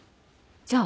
じゃあ。